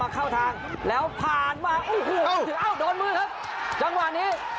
เข้าทางแล้วผ่านมาโอ้โหเอ้าโดนมือครับจังหวะนี้